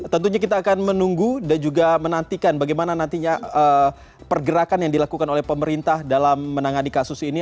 tentunya kita akan menunggu dan juga menantikan bagaimana nantinya pergerakan yang dilakukan oleh pemerintah dalam menangani kasus ini